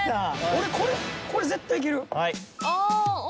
俺これ絶対いける。